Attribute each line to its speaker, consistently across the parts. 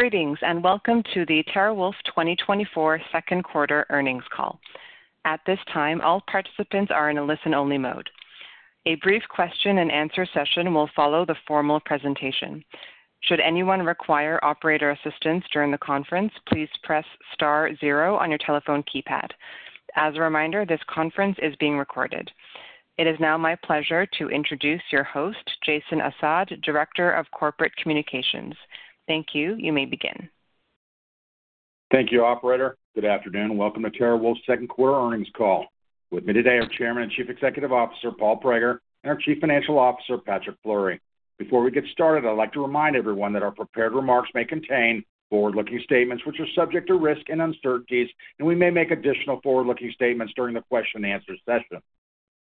Speaker 1: Greetings, and welcome to the TeraWulf 2024 Second Quarter earnings call. At this time, all participants are in a listen-only mode. A brief question and answer session will follow the formal presentation. Should anyone require operator assistance during the conference, please press star zero on your telephone keypad. As a reminder, this conference is being recorded. It is now my pleasure to introduce your host, Jason Assad, Director of Corporate Communications. Thank you. You may begin.
Speaker 2: Thank you, operator. Good afternoon, and welcome to TeraWulf's Second Quarter earnings call. With me today are Chairman and Chief Executive Officer, Paul Prager, and our Chief Financial Officer, Patrick Fleury. Before we get started, I'd like to remind everyone that our prepared remarks may contain forward-looking statements, which are subject to risk and uncertainties, and we may make additional forward-looking statements during the question and answer session.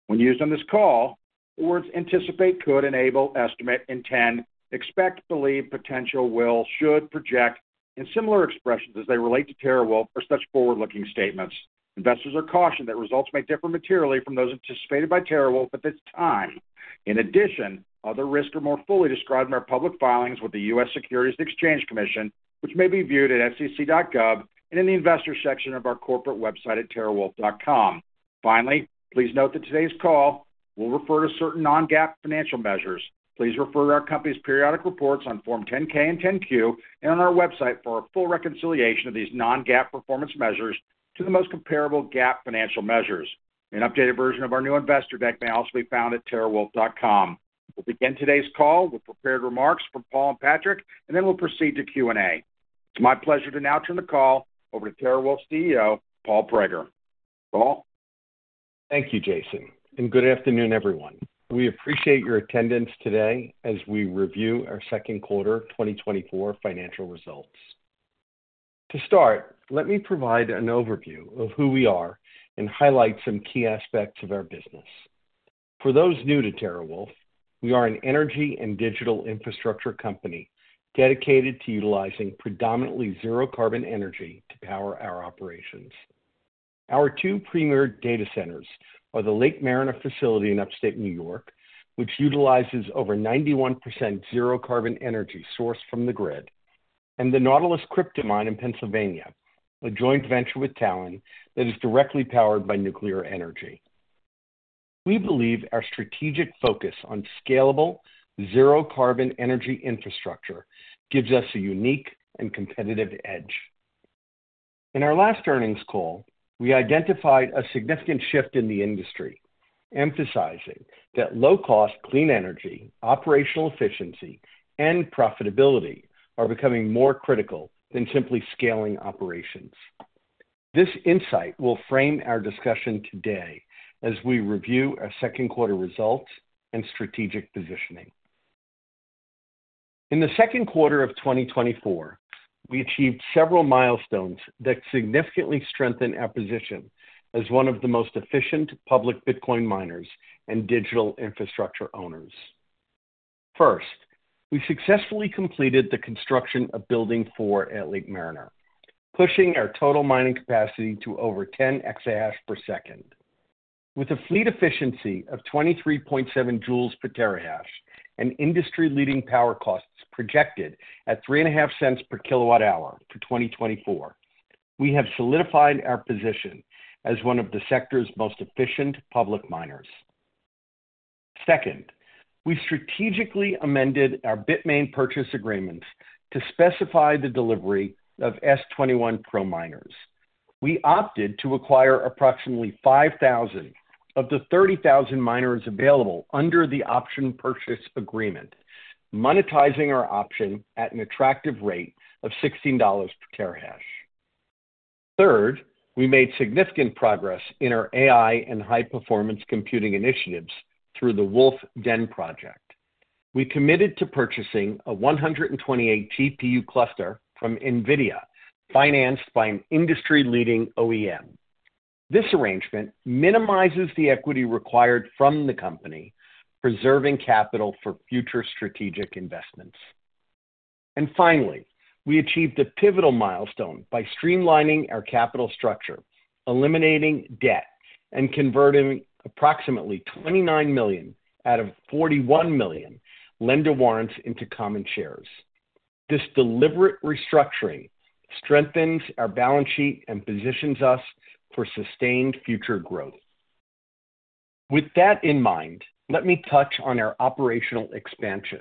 Speaker 2: When used on this call, the words anticipate, could, enable, estimate, intend, expect, believe, potential, will, should, project, and similar expressions as they relate to TeraWulf are such forward-looking statements. Investors are cautioned that results may differ materially from those anticipated by TeraWulf at this time. In addition, other risks are more fully described in our public filings with the U.S. Securities and Exchange Commission, which may be viewed at sec.gov and in the investor section of our corporate website at terawulf.com. Finally, please note that today's call will refer to certain non-GAAP financial measures. Please refer to our company's periodic reports on Form 10-K and 10-Q and on our website for a full reconciliation of these non-GAAP performance measures to the most comparable GAAP financial measures. An updated version of our new investor deck may also be found at terawulf.com. We'll begin today's call with prepared remarks from Paul and Patrick, and then we'll proceed to Q&A. It's my pleasure to now turn the call over to TeraWulf's CEO, Paul Prager. Paul?
Speaker 3: Thank you, Jason, and good afternoon, everyone. We appreciate your attendance today as we review our Second Quarter 2024 financial results. To start, let me provide an overview of who we are and highlight some key aspects of our business. For those new to TeraWulf, we are an energy and digital infrastructure company dedicated to utilizing predominantly zero carbon energy to power our operations. Our two premier data centers are the Lake Mariner facility in upstate New York, which utilizes over 91% zero carbon energy sourced from the grid, and the Nautilus crypto mine in Pennsylvania, a joint venture with Talen that is directly powered by nuclear energy. We believe our strategic focus on scalable, zero carbon energy infrastructure gives us a unique and competitive edge. In our last earnings call, we identified a significant shift in the industry, emphasizing that low-cost, clean energy, operational efficiency, and profitability are becoming more critical than simply scaling operations. This insight will frame our discussion today as we review our second quarter results and strategic positioning. In the second quarter of 2024, we achieved several milestones that significantly strengthen our position as one of the most efficient public Bitcoin miners and digital infrastructure owners. First, we successfully completed the construction of Building Four at Lake Mariner, pushing our total mining capacity to over 10 EH/s. With a fleet efficiency of 23.7 J per terahash and industry-leading power costs projected at $0.035 per kWh for 2024, we have solidified our position as one of the sector's most efficient public miners. Second, we strategically amended our Bitmain purchase agreements to specify the delivery of S21 Pro miners. We opted to acquire approximately 5,000 of the 30,000 miners available under the option purchase agreement, monetizing our option at an attractive rate of $16 per terahash. Third, we made significant progress in our AI and high-performance computing initiatives through the Wulf Den project. We committed to purchasing a 128 GPU cluster from NVIDIA, financed by an industry-leading OEM. This arrangement minimizes the equity required from the company, preserving capital for future strategic investments. Finally, we achieved a pivotal milestone by streamlining our capital structure, eliminating debt, and converting approximately 29 million out of 41 million lender warrants into common shares. This deliberate restructuring strengthens our balance sheet and positions us for sustained future growth. With that in mind, let me touch on our operational expansion.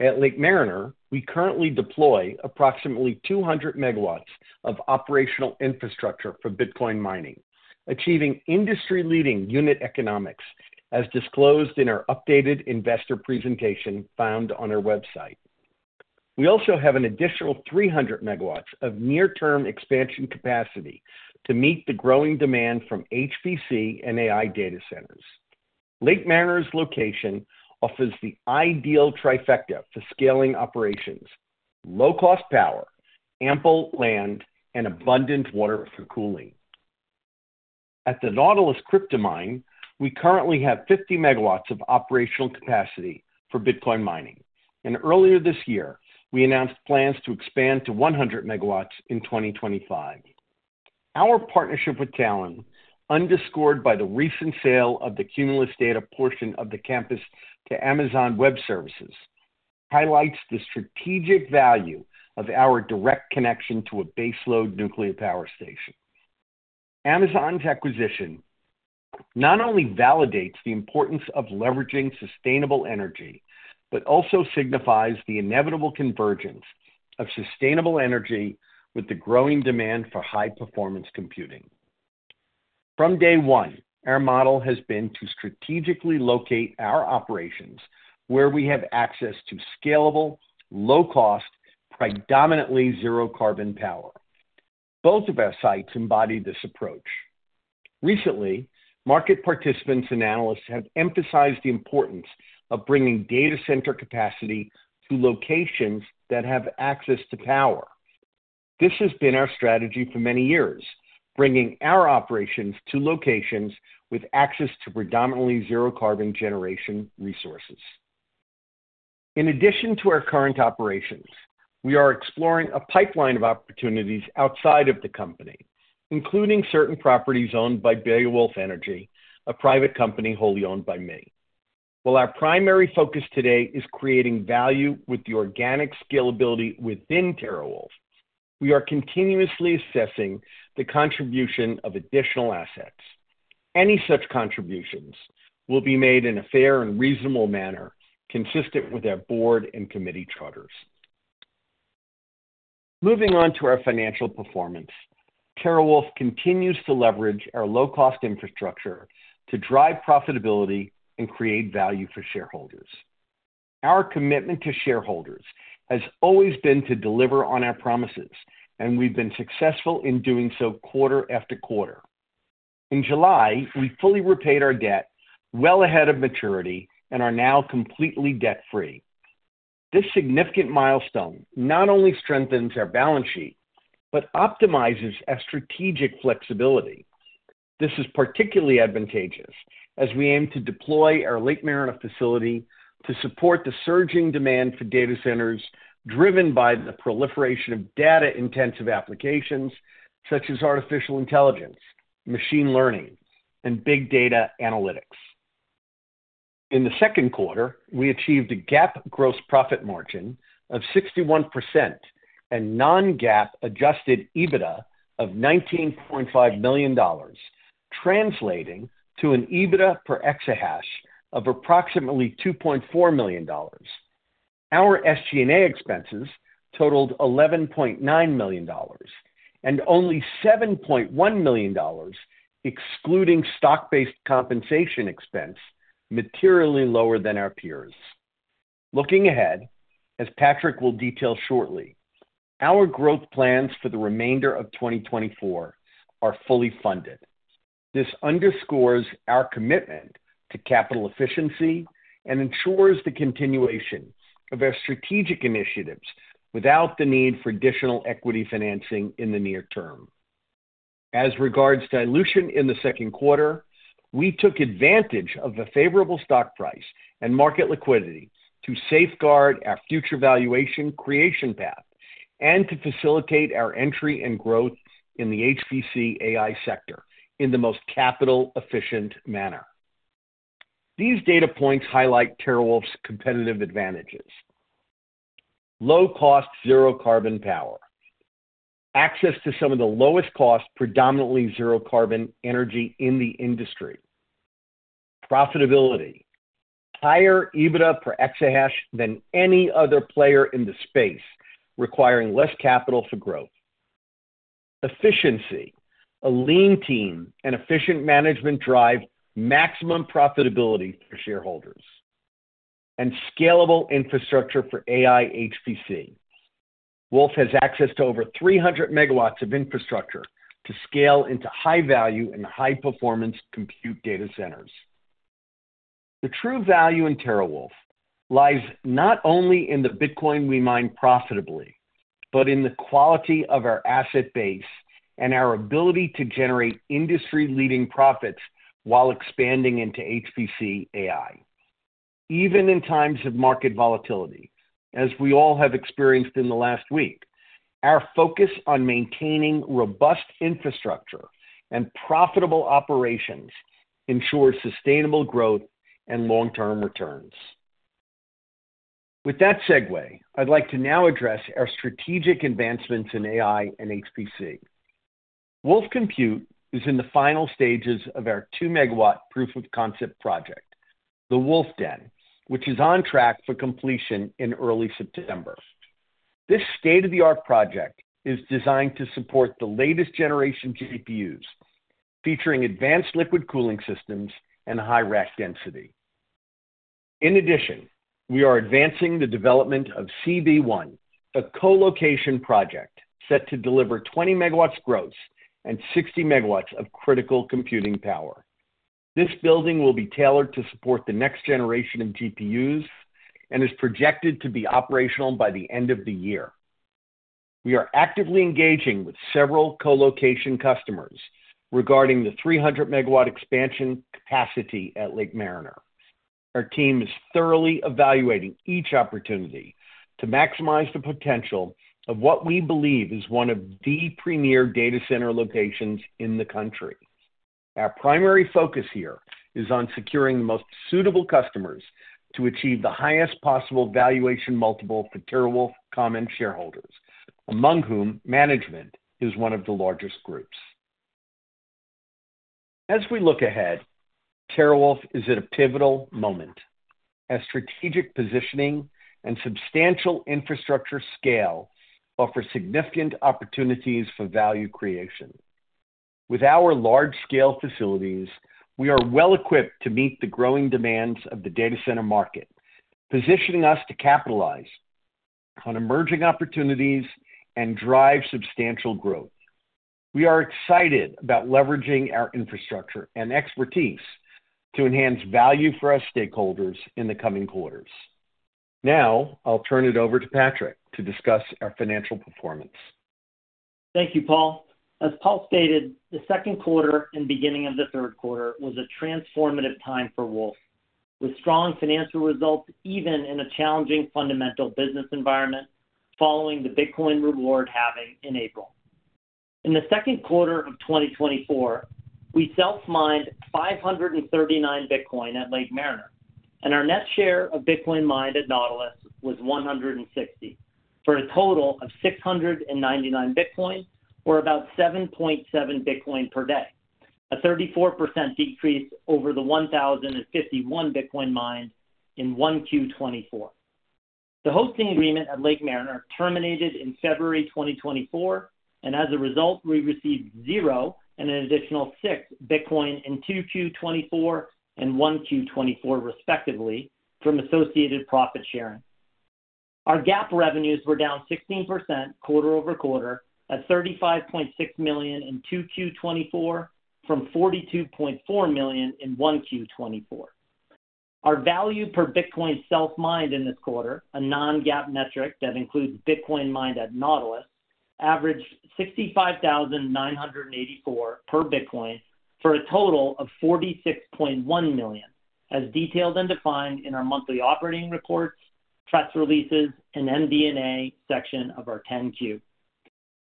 Speaker 3: At Lake Mariner, we currently deploy approximately 200 MW of operational infrastructure for Bitcoin mining, achieving industry-leading unit economics, as disclosed in our updated investor presentation found on our website. We also have an additional 300 MW of near-term expansion capacity to meet the growing demand from HPC and AI data centers. Lake Mariner's location offers the ideal trifecta for scaling operations, low-cost power, ample land, and abundant water for cooling. At the Nautilus crypto mine, we currently have 50 MW of operational capacity for Bitcoin mining, and earlier this year, we announced plans to expand to 100 MW in 2025. Our partnership with Talen, underscored by the recent sale of the Cumulus Data portion of the campus to Amazon Web Services, highlights the strategic value of our direct connection to a baseload nuclear power station. Amazon's acquisition not only validates the importance of leveraging sustainable energy, but also signifies the inevitable convergence of sustainable energy with the growing demand for high-performance computing. From day one, our model has been to strategically locate our operations where we have access to scalable, low-cost, predominantly zero-carbon power. Both of our sites embody this approach. Recently, market participants and analysts have emphasized the importance of bringing data center capacity to locations that have access to power. This has been our strategy for many years, bringing our operations to locations with access to predominantly zero-carbon generation resources. In addition to our current operations, we are exploring a pipeline of opportunities outside of the company, including certain properties owned by Beowulf Energy, a private company wholly owned by me. While our primary focus today is creating value with the organic scalability within TeraWulf, we are continuously assessing the contribution of additional assets. Any such contributions will be made in a fair and reasonable manner, consistent with our board and committee charters. Moving on to our financial performance, TeraWulf continues to leverage our low-cost infrastructure to drive profitability and create value for shareholders. Our commitment to shareholders has always been to deliver on our promises, and we've been successful in doing so quarter-after-quarter. In July, we fully repaid our debt well ahead of maturity and are now completely debt-free. This significant milestone not only strengthens our balance sheet, but optimizes our strategic flexibility. This is particularly advantageous as we aim to deploy our Lake Mariner facility to support the surging demand for data centers, driven by the proliferation of data-intensive applications such as artificial intelligence, machine learning, and big data analytics. In the second quarter, we achieved a GAAP gross profit margin of 61% and non-GAAP Adjusted EBITDA of $19.5 million, translating to an EBITDA per exahash of approximately $2.4 million. Our SG&A expenses totaled $11.9 million, and only $7.1 million, excluding stock-based compensation expense, materially lower than our peers. Looking ahead, as Patrick will detail shortly, our growth plans for the remainder of 2024 are fully funded. This underscores our commitment to capital efficiency and ensures the continuation of our strategic initiatives without the need for additional equity financing in the near term. As regards dilution in the second quarter, we took advantage of the favorable stock price and market liquidity to safeguard our future valuation creation path and to facilitate our entry and growth in the HPC/AI sector in the most capital-efficient manner. These data points highlight TeraWulf's competitive advantages. Low cost, zero-carbon power. Access to some of the lowest cost, predominantly zero-carbon energy in the industry. Profitability. Higher EBITDA per exahash than any other player in the space, requiring less capital for growth. Efficiency. A lean team and efficient management drive maximum profitability for shareholders. Scalable infrastructure for AI/HPC. Wulf has access to over 300 MW of infrastructure to scale into high-value and high-performance compute data centers. The true value in TeraWulf lies not only in the Bitcoin we mine profitably, but in the quality of our asset base and our ability to generate industry-leading profits while expanding into HPC/AI. Even in times of market volatility, as we all have experienced in the last week, our focus on maintaining robust infrastructure and profitable operations ensures sustainable growth and long-term returns. With that segue, I'd like to now address our strategic advancements in AI and HPC. Wulf Compute is in the final stages of our 2-MW proof-of-concept project, the Wulf Den, which is on track for completion in early September. This state-of-the-art project is designed to support the latest generation GPUs, featuring advanced liquid cooling systems and high rack density. In addition, we are advancing the development of CB-1, a colocation project set to deliver 20 MW gross and 60 MW of critical computing power. This Building will be tailored to support the next generation of GPUs and is projected to be operational by the end of the year. We are actively engaging with several colocation customers regarding the 300 MW expansion capacity at Lake Mariner. Our team is thoroughly evaluating each opportunity to maximize the potential of what we believe is one of the premier data center locations in the country. Our primary focus here is on securing the most suitable customers to achieve the highest possible valuation multiple for TeraWulf common shareholders, among whom management is one of the largest groups. As we look ahead, TeraWulf is at a pivotal moment, as strategic positioning and substantial infrastructure scale offer significant opportunities for value creation. With our large-scale facilities, we are well-equipped to meet the growing demands of the data center market, positioning us to capitalize on emerging opportunities and drive substantial growth. We are excited about leveraging our infrastructure and expertise to enhance value for our stakeholders in the coming quarters. Now, I'll turn it over to Patrick to discuss our financial performance.
Speaker 4: Thank you, Paul. As Paul stated, the second quarter and beginning of the third quarter was a transformative time for Wulf, with strong financial results, even in a challenging fundamental business environment following the Bitcoin reward halving in April. In the second quarter of 2024, we self-mined 539 Bitcoin at Lake Mariner, and our net share of Bitcoin mined at Nautilus was 160, for a total of 699 Bitcoin, or about 7.7 Bitcoin per day, a 34% decrease over the 1,051 Bitcoin mined in 1Q 2024. The hosting agreement at Lake Mariner terminated in February 2024, and as a result, we received 0 and an additional 6 Bitcoin in 2Q 2024 and 1Q 2024, respectively, from associated profit sharing. Our GAAP revenues were down 16% quarter-over-quarter, at $35.6 million in 2Q 2024, from $42.4 million in 1Q 2024. Our value per Bitcoin self-mined in this quarter, a non-GAAP metric that includes Bitcoin mined at Nautilus, averaged $65,984 per Bitcoin, for a total of $46.1 million, as detailed and defined in our monthly operating reports, press releases, and MD&A section of our 10-Q.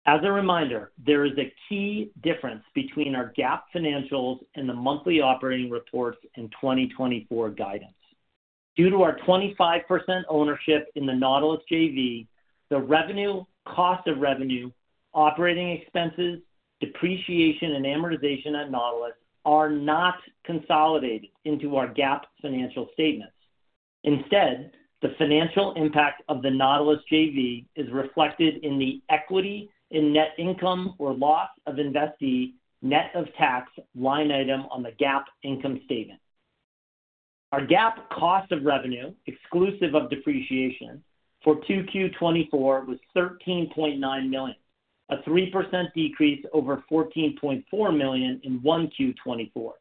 Speaker 4: As a reminder, there is a key difference between our GAAP financials and the monthly operating reports in 2024 guidance. Due to our 25% ownership in the Nautilus JV, the revenue, cost of revenue, operating expenses, depreciation, and amortization at Nautilus are not consolidated into our GAAP financial statements. Instead, the financial impact of the Nautilus JV is reflected in the equity and net income or loss of investee net of tax line item on the GAAP income statement. Our GAAP cost of revenue, exclusive of depreciation, for 2Q 2024 was $13.9 million, a 3% decrease over $14.4 million in 1Q 2024.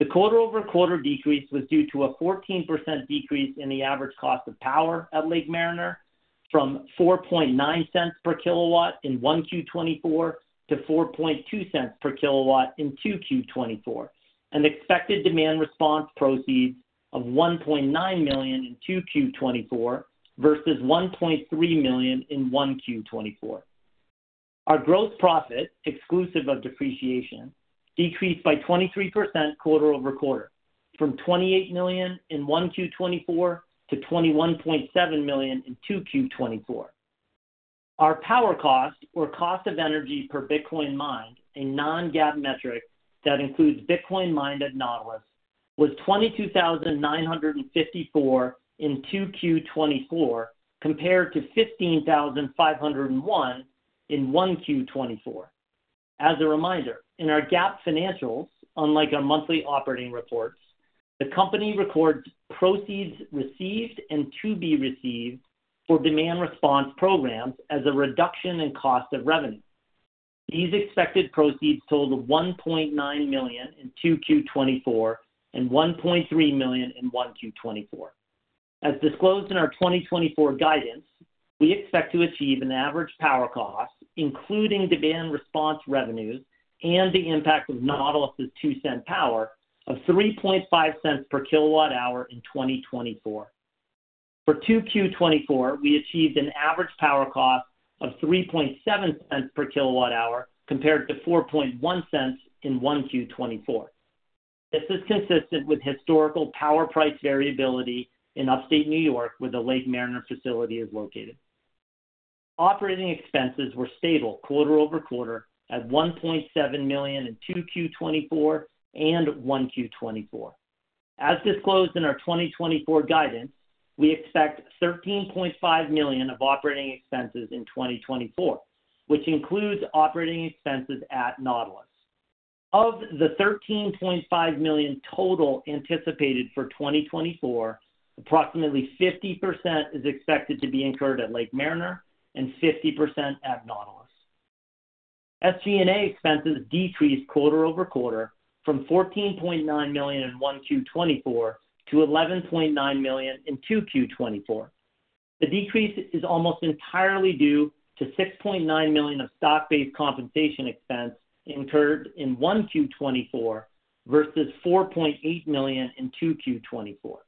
Speaker 4: The quarter-over-quarter decrease was due to a 14% decrease in the average cost of power at Lake Mariner, from $0.049/kWh in 1Q 2024 to $0.042/kWh in 2Q 2024, and expected demand response proceeds of $1.9 million in 2Q 2024 versus $1.3 million in 1Q 2024. Our gross profit, exclusive of depreciation, decreased by 23% quarter-over-quarter, from $28 million in 1Q 2024 to $21.7 million in 2Q 2024. Our power cost or cost of energy per Bitcoin mined, a non-GAAP metric that includes Bitcoin mined at Nautilus, was $22,954 in 2Q 2024, compared to $15,501 in 1Q 2024. As a reminder, in our GAAP financials, unlike our monthly operating reports, the company records proceeds received and to be received for demand response programs as a reduction in cost of revenue. These expected proceeds totaled $1.9 million in 2Q 2024 and $1.3 million in 1Q 2024. As disclosed in our 2024 guidance, we expect to achieve an average power cost, including demand response revenues and the impact of Nautilus $0.02 power of $0.035/kWh in 2024. For 2Q 2024, we achieved an average power cost of $0.037/kWh, compared to $0.041 in 1Q 2024. This is consistent with historical power price variability in Upstate New York, where the Lake Mariner facility is located. Operating expenses were stable quarter-over-quarter at $1.7 million in 2Q 2024 and 1Q 2024. As disclosed in our 2024 guidance, we expect $13.5 million of operating expenses in 2024, which includes operating expenses at Nautilus. Of the $13.5 million total anticipated for 2024, approximately 50% is expected to be incurred at Lake Mariner and 50% at Nautilus. SG&A expenses decreased quarter-over-quarter from $14.9 million in 1Q 2024 to $11.9 million in 2Q 2024. The decrease is almost entirely due to $6.9 million of stock-based compensation expense incurred in 1Q 2024, versus $4.8 million in 2Q 2024.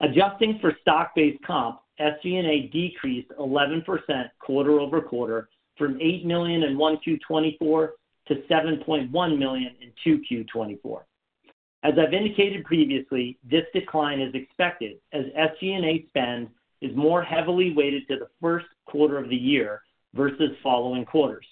Speaker 4: Adjusting for stock-based comp, SG&A decreased 11% quarter-over-quarter from $8 million in 1Q 2024 to $7.1 million in 2Q 2024. As I've indicated previously, this decline is expected as SG&A spend is more heavily weighted to the first quarter of the year versus following quarters.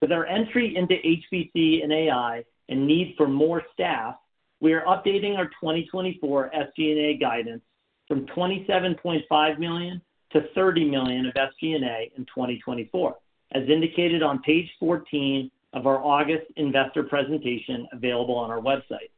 Speaker 4: With our entry into HPC and AI and need for more staff, we are updating our 2024 SG&A guidance from $27.5 million-$30 million of SG&A in 2024, as indicated on page 14 of our August Investor Presentation, available on our website.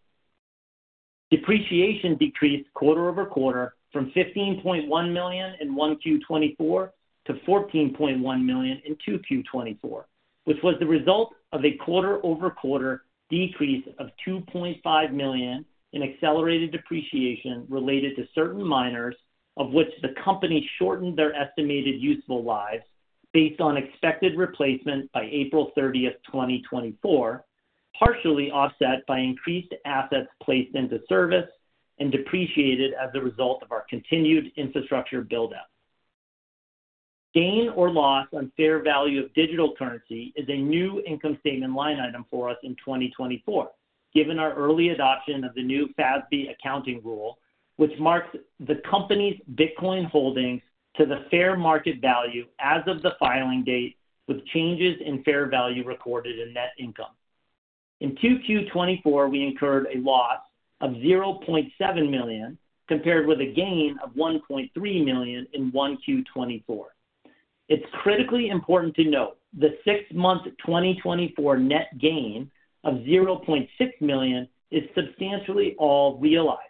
Speaker 4: Depreciation decreased quarter-over-quarter from $15.1 million in 1Q 2024 to $14.1 million in 2Q 2024, which was the result of a quarter-over-quarter decrease of $2.5 million in accelerated depreciation related to certain miners, of which the company shortened their estimated useful lives based on expected replacement by April 30, 2024, partially offset by increased assets placed into service and depreciated as a result of our continued infrastructure build-out. Gain or loss on fair value of digital currency is a new income statement line item for us in 2024, given our early adoption of the new FASB accounting rule, which marks the company's Bitcoin holdings to the fair market value as of the filing date, with changes in fair value recorded in net income. In 2Q 2024, we incurred a loss of $0.7 million, compared with a gain of $1.3 million in 1Q 2024. It's critically important to note the six-month 2024 net gain of $0.6 million is substantially all realized,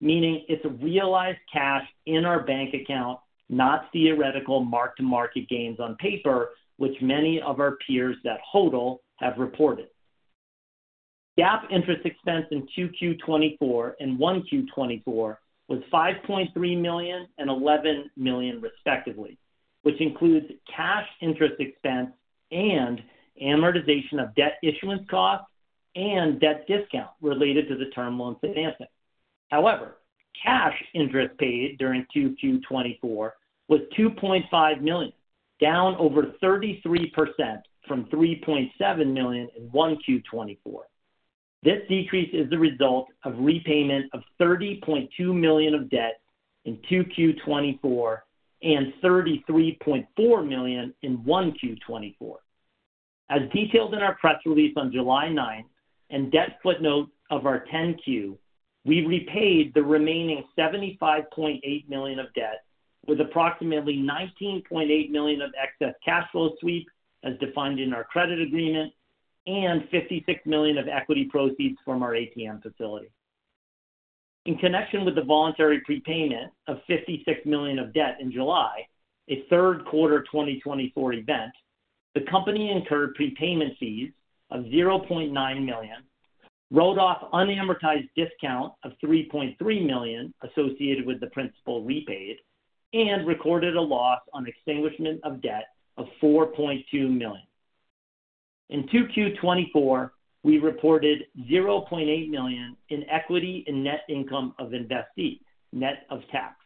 Speaker 4: meaning it's a realized cash in our bank account, not theoretical mark-to-market gains on paper, which many of our peers that HODL have reported. GAAP interest expense in 2Q 2024 and 1Q 2024 was $5.3 million and $11 million, respectively, which includes cash interest expense and amortization of debt issuance costs and debt discount related to the term loan financing. However, cash interest paid during 2Q 2024 was $2.5 million, down over 33% from $3.7 million in 1Q 2024. This decrease is the result of repayment of $30.2 million of debt in 2Q 2024 and $33.4 million in 1Q 2024. As detailed in our press release on July ninth and debt footnote of our 10-Q, we repaid the remaining $75.8 million of debt with approximately $19.8 million of excess cash flow sweep, as defined in our credit agreement, and $56 million of equity proceeds from our ATM facility. In connection with the voluntary prepayment of $56 million of debt in July, a third quarter 2024 event, the company incurred prepayment fees of $0.9 million, wrote off unamortized discount of $3.3 million associated with the principal repaid, and recorded a loss on extinguishment of debt of $4.2 million. In 2Q 2024, we reported $0.8 million in equity and net income of investee, net of tax,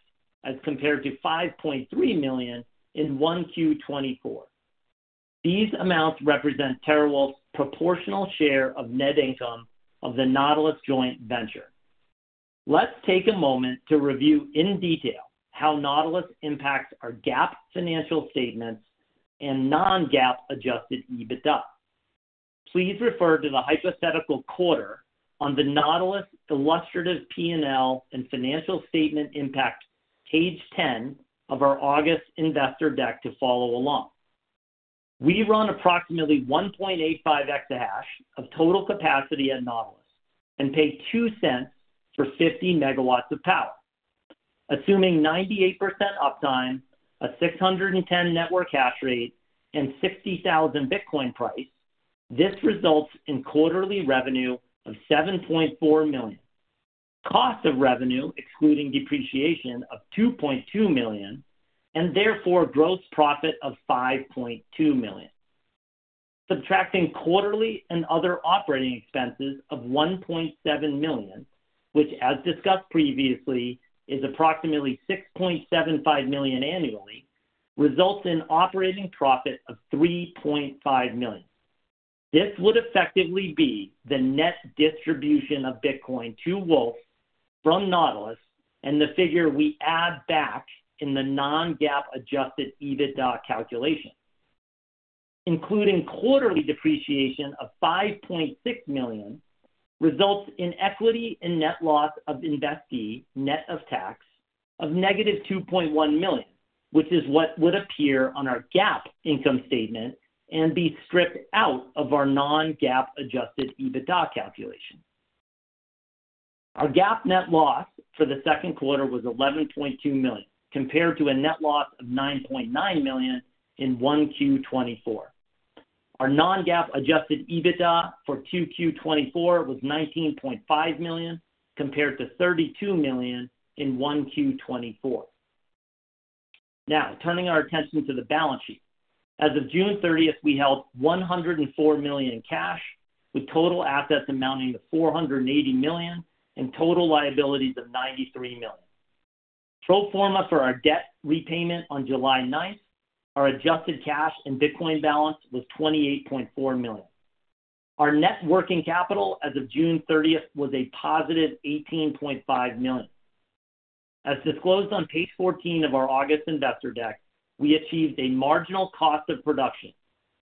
Speaker 4: as compared to $5.3 million in 1Q 2024. These amounts represent TeraWulf's proportional share of net income of the Nautilus joint venture. Let's take a moment to review in detail how Nautilus impacts our GAAP financial statements and non-GAAP adjusted EBITDA. Please refer to the hypothetical quarter on the Nautilus illustrative P&L and financial statement impact, page 10 of our August investor deck to follow along. We run approximately 1.85 EH of total capacity at Nautilus and pay $0.02 for 50 MW of power. Assuming 98% uptime, a 610 network hash rate, and $60,000 Bitcoin price, this results in quarterly revenue of $7.4 million. Cost of revenue, excluding depreciation of $2.2 million, and therefore, gross profit of $5.2 million. Subtracting quarterly and other operating expenses of $1.7 million, which, as discussed previously, is approximately $6.75 million annually, results in operating profit of $3.5 million. This would effectively be the net distribution of Bitcoin to Wulf from Nautilus and the figure we add back in the non-GAAP Adjusted EBITDA calculation. Including quarterly depreciation of $5.6 million results in equity and net loss of investee, net of tax, of -$2.1 million, which is what would appear on our GAAP income statement and be stripped out of our non-GAAP Adjusted EBITDA calculation. Our GAAP net loss for the second quarter was $11.2 million, compared to a net loss of $9.9 million in 1Q 2024. Our non-GAAP Adjusted EBITDA for 2Q 2024 was $19.5 million, compared to $32 million in 1Q 2024. Now, turning our attention to the balance sheet. As of June 30, we held $104 million in cash, with total assets amounting to $480 million and total liabilities of $93 million. Pro forma for our debt repayment on July 9, our adjusted cash and Bitcoin balance was $28.4 million. Our net working capital as of June 30 was a +$18.5 million. As disclosed on page 14 of our August Investor deck, we achieved a marginal cost of production,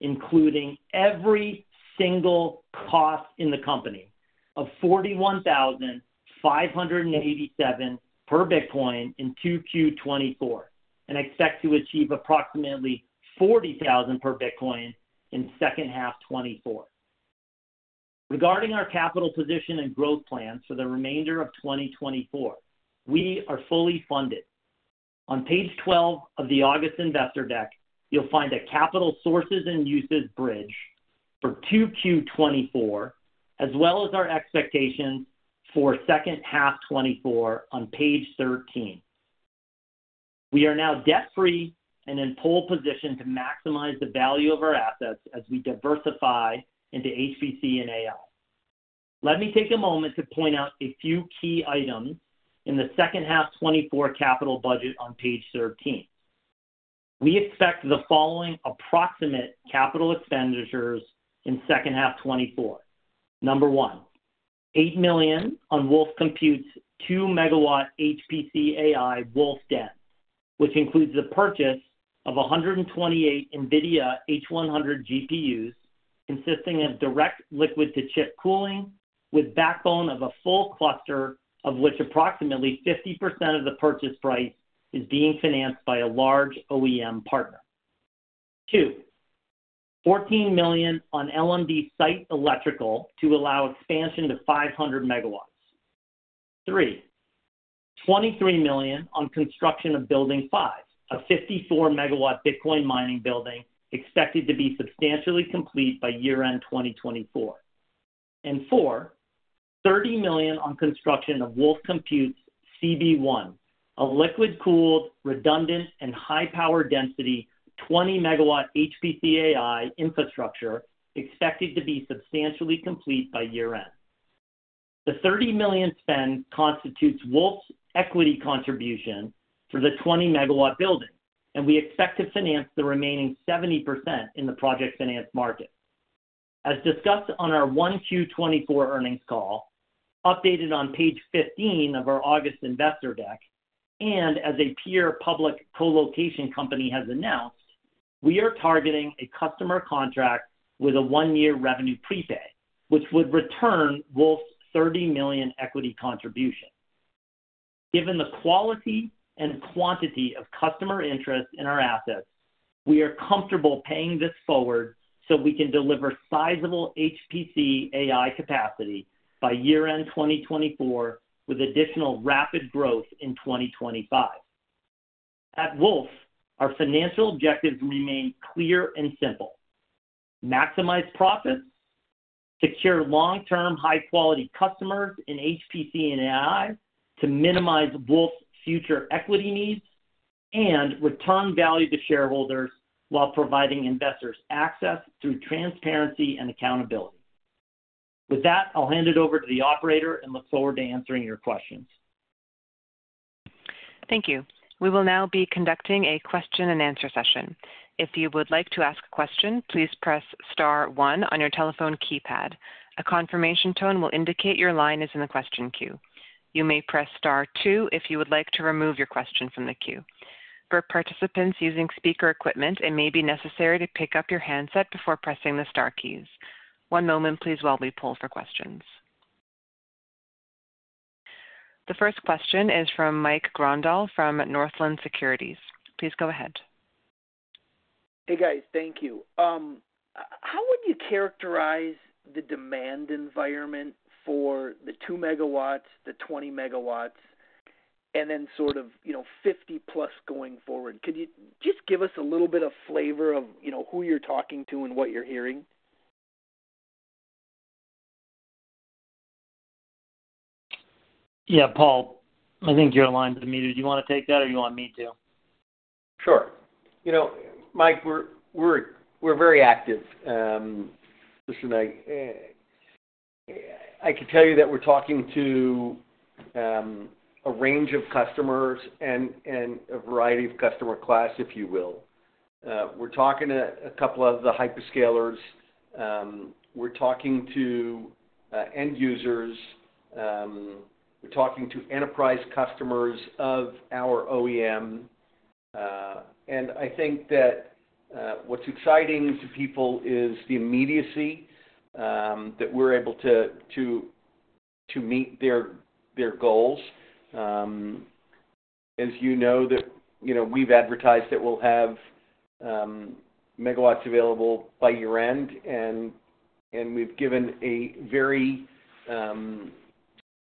Speaker 4: including every single cost in the company, of $41,587 per Bitcoin in 2Q 2024, and expect to achieve approximately $40,000 per Bitcoin in second half 2024. Regarding our capital position and growth plans for the remainder of 2024, we are fully funded. On page 12 of the August Investor deck, you'll find a capital sources and uses bridge for 2Q 2024, as well as our expectations for second half 2024 on page 13. We are now debt-free and in pole position to maximize the value of our assets as we diversify into HPC and AI. Let me take a moment to point out a few key items in the second half 2024 capital budget on page 13. We expect the following approximate capital expenditures in second half 2024. Number one, $8 million on Wulf Compute's 2-MW HPC AI Wulf Den, which includes the purchase of 128 NVIDIA H100 GPUs, consisting of direct liquid-to-chip cooling, with backbone of a full cluster, of which approximately 50% of the purchase price is being financed by a large OEM partner. Two, $14 million on LMD site electrical to allow expansion to 500 MW. Three, $23 million on construction of Building Five, a 54-MW Bitcoin mining building expected to be substantially complete by year-end 2024. Four, $30 million on construction of Wulf Compute's CB-1, a liquid-cooled, redundant, and high-power density, 20-MW HPC AI infrastructure expected to be substantially complete by year-end. The $30 million spend constitutes Wulf's equity contribution for the 20-MW building, and we expect to finance the remaining 70% in the project finance market. As discussed on our 1Q 2024 earnings call, updated on page 15 of our August Investor deck, and as a peer public colocation company has announced, we are targeting a customer contract with a 1-year revenue prepay, which would return Wulf's $30 million equity contribution. Given the quality and quantity of customer interest in our assets, we are comfortable paying this forward so we can deliver sizable HPC AI capacity by year-end 2024, with additional rapid growth in 2025. At Wulf, our financial objectives remain clear and simple: maximize profits, secure long-term, high-quality customers in HPC and AI to minimize Wulf's future equity needs, and return value to shareholders while providing investors access through transparency and accountability. With that, I'll hand it over to the operator and look forward to answering your questions.
Speaker 1: Thank you. We will now be conducting a question-and-answer session. If you would like to ask a question, please press star one on your telephone keypad. A confirmation tone will indicate your line is in the question queue. You may press star two if you would like to remove your question from the queue. For participants using speaker equipment, it may be necessary to pick up your handset before pressing the star keys. One moment, please, while we poll for questions. The first question is from Mike Grondahl from Northland Securities. Please go ahead.
Speaker 5: Hey, guys. Thank you. How would you characterize the demand environment for the 2 MW, the 20 MW, and then sort of, you know, 50+ going forward? Could you just give us a little bit of flavor of, you know, who you're talking to and what you're hearing?
Speaker 4: Yeah, Paul, I think your line is unmuted. Do you want to take that, or you want me to?
Speaker 3: Sure. You know, Mike, we're very active. Listen, I can tell you that we're talking to a range of customers and a variety of customer class, if you will. We're talking to a couple of the hyperscalers. We're talking to end users. We're talking to enterprise customers of our OEM. And I think that what's exciting to people is the immediacy that we're able to meet their goals. As you know, we've advertised that we'll have megawatts available by year-end, and we've given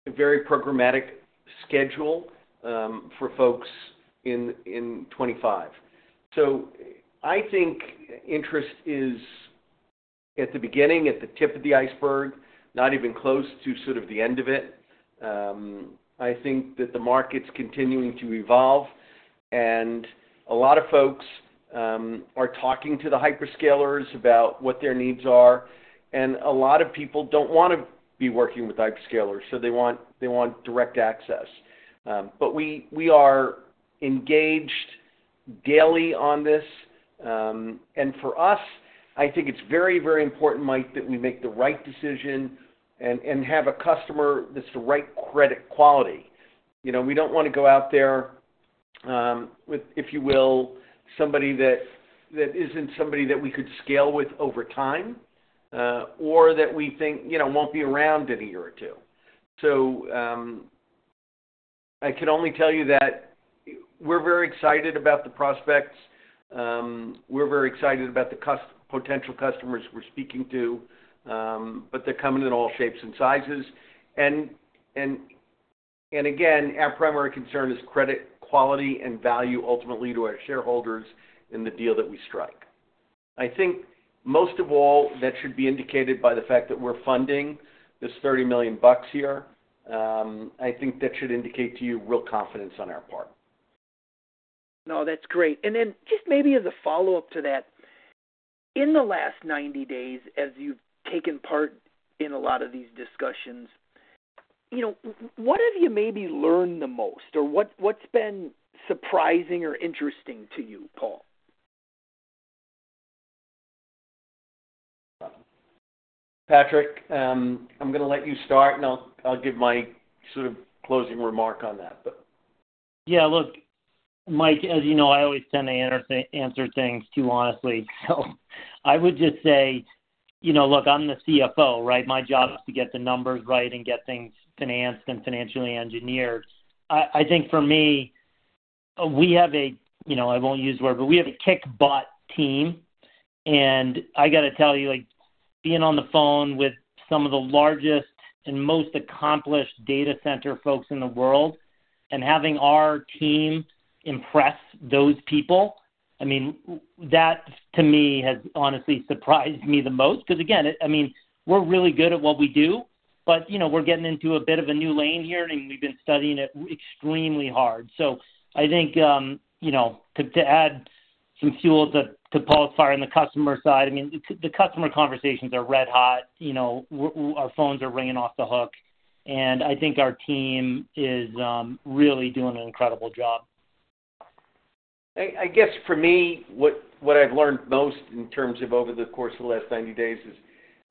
Speaker 3: a very programmatic schedule for folks in 25. So I think interest is at the beginning, at the tip of the iceberg, not even close to sort of the end of it. I think that the market's continuing to evolve, and a lot of folks are talking to the hyperscalers about what their needs are, and a lot of people don't want to be working with hyperscalers, so they want direct access. But we are engaged daily on this. For us, I think it's very, very important, Mike, that we make the right decision and have a customer that's the right credit quality. You know, we don't want to go out there with, if you will, somebody that isn't somebody that we could scale with over time or that we think, you know, won't be around in a year or two. So, I can only tell you that we're very excited about the prospects. We're very excited about the potential customers we're speaking to, but they're coming in all shapes and sizes. Again, our primary concern is credit quality and value, ultimately, to our shareholders in the deal that we strike. I think most of all, that should be indicated by the fact that we're funding this $30 million here. I think that should indicate to you real confidence on our part.
Speaker 5: No, that's great. And then just maybe as a follow-up to that, in the last 90 days, as you've taken part in a lot of these discussions, you know, what have you maybe learned the most, or what's been surprising or interesting to you, Paul?
Speaker 3: Patrick, I'm going to let you start, and I'll give my sort of closing remark on that, but.
Speaker 4: Yeah, look, Mike, as you know, I always tend to answer things too honestly. So I would just say, you know, look, I'm the CFO, right? My job is to get the numbers right and get things financed and financially engineered. I think for me, we have a, you know, I won't use the word, but we have a kick-butt team, and I got to tell you, like, being on the phone with some of the largest and most accomplished data center folks in the world, and having our team impress those people, I mean, that, to me, has honestly surprised me the most. Because, again, I mean, we're really good at what we do, but, you know, we're getting into a bit of a new lane here, and we've been studying it extremely hard. So I think, you know, to add some fuel to Paul's fire on the customer side, I mean, the customer conversations are red hot. You know, our phones are ringing off the hook, and I think our team is really doing an incredible job.
Speaker 3: I guess for me, what I've learned most in terms of over the course of the last 90 days is,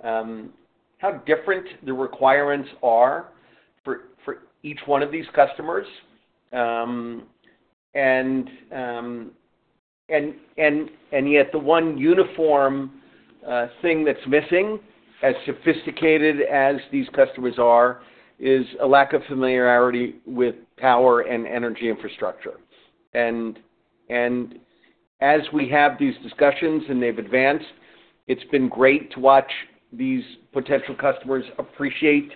Speaker 3: how different the requirements are for each one of these customers. And yet the one uniform thing that's missing, as sophisticated as these customers are, is a lack of familiarity with power and energy infrastructure. And as we have these discussions and they've advanced, it's been great to watch these potential customers appreciate,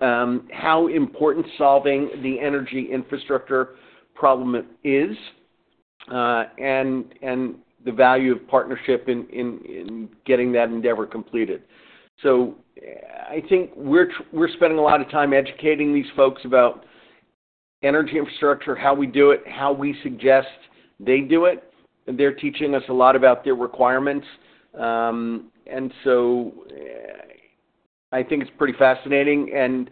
Speaker 3: how important solving the energy infrastructure problem is, and the value of partnership in getting that endeavor completed. So I think we're spending a lot of time educating these folks about energy infrastructure, how we do it, how we suggest they do it. They're teaching us a lot about their requirements. And so, I think it's pretty fascinating. And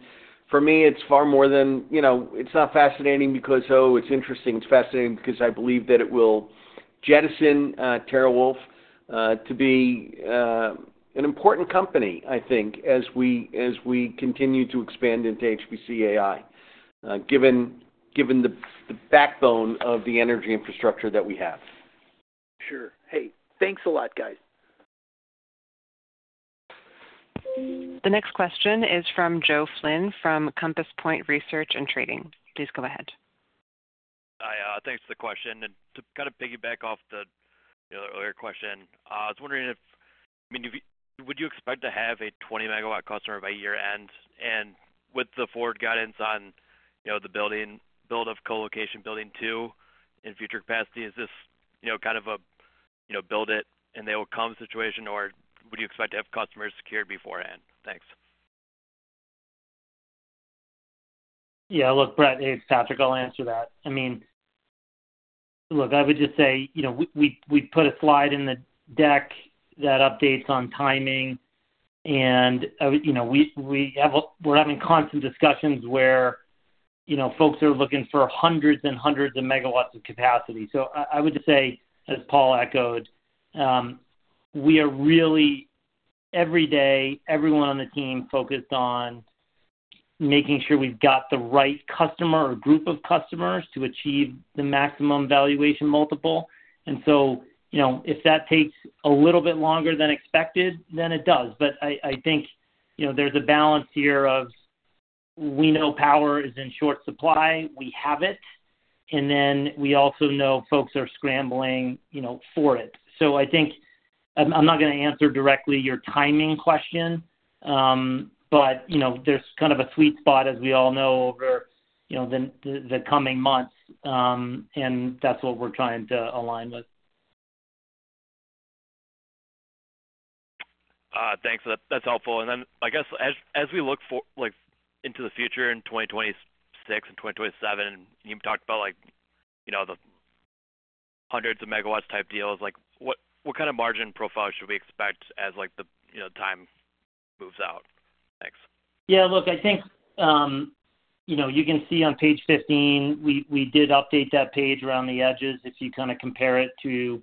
Speaker 3: for me, it's far more than you know, it's not fascinating because, oh, it's interesting. It's fascinating because I believe that it will Jettison TeraWulf to be an important company, I think, as we continue to expand into HPC/AI, given the backbone of the energy infrastructure that we have.
Speaker 5: Sure. Hey, thanks a lot, guys.
Speaker 1: The next question is from Joe Flynn from Compass Point Research & Trading. Please go ahead.
Speaker 6: Hi, thanks for the question. And to kind of piggyback off the earlier question, I was wondering if you would you expect to have a 20 MW customer by year-end? And with the forward guidance on, you know, the build of colocation, Building Two, in future capacity, is this, you know, build it, and they will come situation, or would you expect to have customers secured beforehand? Thanks.
Speaker 4: Yeah. Look, hey, it's Patrick. I'll answer that. I mean, look, I would just say, you know, we put a slide in the deck that updates on timing and, you know, we're having constant discussions where, you know, folks are looking for hundreds and hundreds of megawatts of capacity. So I would just say, as Paul echoed, we are really, every day, everyone on the team focused on making sure we've got the right customer or group of customers to achieve the maximum valuation multiple. And so, you know, if that takes a little bit longer than expected, then it does. But I think, you know, there's a balance here of, we know power is in short supply. We have it. And then we also know folks are scrambling, you know, for it. So I think I'm not gonna answer directly your timing question. But, you know, there's kind of a sweet spot, as we all know, over, you know, the coming months, and that's what we're trying to align with.
Speaker 6: Thanks. That's helpful. And then, I guess, as we look for like into the future in 2026 and 2027, you talked about like, you know, the hundreds of megawatts type deals, like, what kind of margin profile should we expect as like the, you know, time moves out? Thanks.
Speaker 4: Yeah, look, I think, you know, you can see on page 15, we, we did update that page around the edges. If you kinda compare it to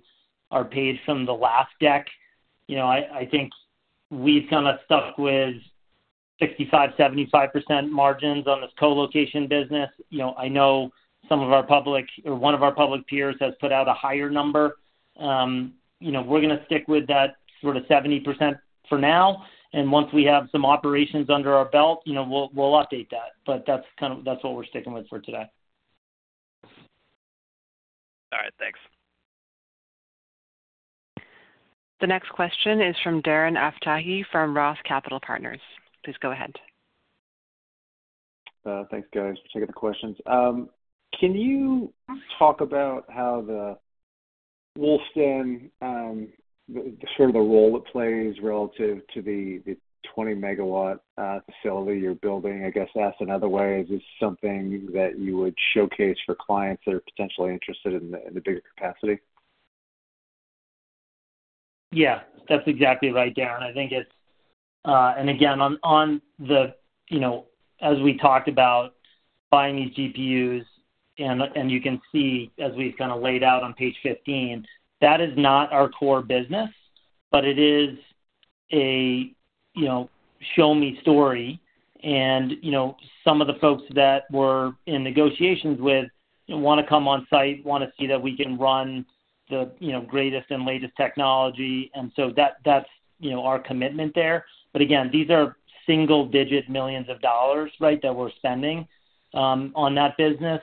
Speaker 4: our page from the last deck, you know, I, I think we've kinda stuck with 65%-75% margins on this colocation business. You know, I know some of our public-- or one of our public peers has put out a higher number. You know, we're gonna stick with that sort of 70% for now, and once we have some operations under our belt, you know, we'll, we'll update that. But that's kind of... That's what we're sticking with for today.
Speaker 6: All right, thanks.
Speaker 1: The next question is from Darren Aftahi, from Roth Capital Partners. Please go ahead.
Speaker 7: Thanks, guys, for taking the questions. Can you talk about how the Wulf Den, sort of the role it plays relative to the 20-MW facility you're building? I guess asked another way, is this something that you would showcase for clients that are potentially interested in the bigger capacity?
Speaker 4: Yeah, that's exactly right, Darren. I think it's -- And again, on the, you know, as we talked about buying these GPUs, and you can see, as we've kinda laid out on page 15, that is not our core business, but it is a, you know, show me story. And, you know, some of the folks that we're in negotiations with wanna come on site, wanna see that we can run the, you know, greatest and latest technology, and so that's, you know, our commitment there. But again, these are $1-$9 million, right, that we're spending on that business,